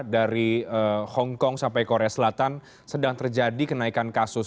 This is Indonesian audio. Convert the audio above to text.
dari hongkong sampai korea selatan sedang terjadi kenaikan kasus